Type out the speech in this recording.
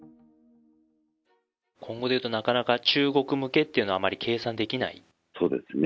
今後で言うと、なかなか中国向けっていうのは、そうですね。